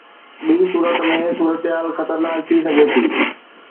ٻي صورت ۾ صورتحال خطرناڪ ٿي سگهي ٿي.